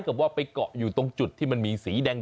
กับว่าไปเกาะอยู่ตรงจุดที่มันมีสีแดง